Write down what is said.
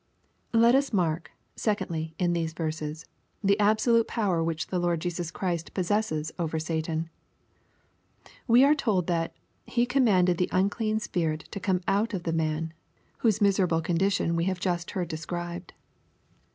Let us mark, secondly, in these verses, the absolute power which the Lord Jesus Christ possesses over Satan. We ixQ told that he " commanded the unclean spirit to come out of i e man," whose miserable condition we have just hea J described.